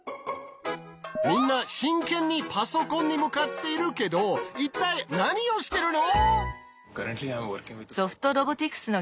みんな真剣にパソコンに向かっているけど一体何をしてるの？